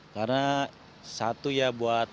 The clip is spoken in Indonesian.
karena satu ya buat